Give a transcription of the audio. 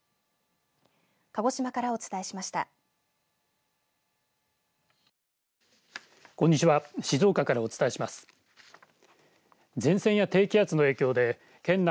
鹿児島からお伝えしました。